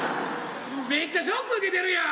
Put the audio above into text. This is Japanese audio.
めっちゃショック受けてるやん。